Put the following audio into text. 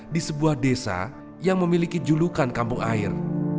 di sebuah desa yang memiliki julukan kampung air